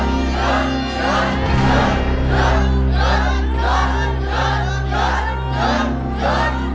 หยัดหยัดหยัดให้